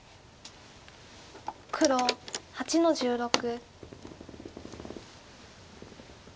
黒８の十六。